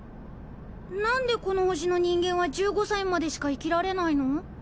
何でこの星の人間は１５歳までしか生きられないの？